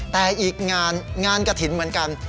แต่อีกงานงานกระถิ่นเหมือนกัน